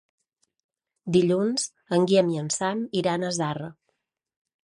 Dilluns en Guillem i en Sam iran a Zarra.